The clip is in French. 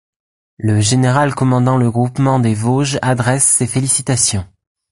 Le général commandant le groupement des Vosges adresse ses félicitations.